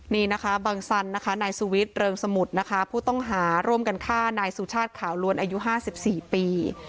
นี่นะคะบังสันนะคะนายสุวิทย์เริงสมุทรนะคะผู้ต้องหาร่วมกันฆ่านายสุชาติขาวล้วนอายุ๕๔ปี